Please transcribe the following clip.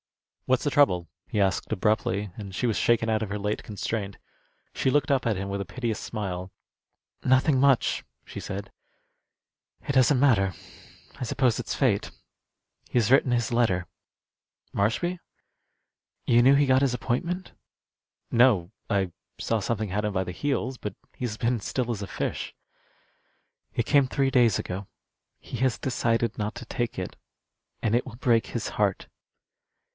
"What's the trouble?" he asked, abruptly, and she was shaken out of her late constraint. She looked up at him with a piteous smile. "Nothing much," she said. "It doesn't matter. I suppose it's fate. He has written his letter." "Marshby?" "You knew he got his appointment?" "No; I saw something had him by the heels, but he's been still as a fish." "It came three days ago. He has decided not to take it. And it will break his heart."